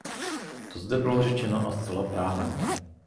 To zde bylo řečeno a zcela právem.